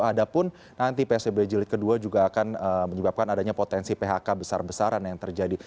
ada pun nanti psbb jilid kedua juga akan menyebabkan adanya potensi phk besar besaran yang terjadi